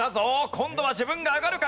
今度は自分が上がるか？